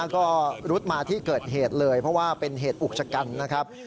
ก็รุดมาที่เกิดเหตุเลยเพราะว่าเป็นเหตุอุกชะกันนะครับ